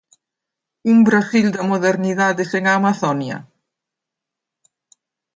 Un Brasil da modernidade sen a Amazonia?